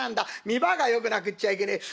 見栄がよくなくっちゃいけねえ。